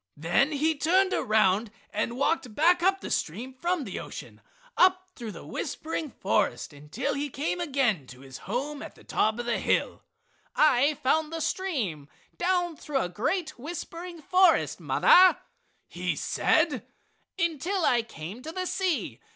Then he turned around and walked back up the stream from the ocean up through the whispering forest until he came again to his home at the top of the hill. "I followed the stream down through a great whispering forest, mother," he said, "until I came to the sea.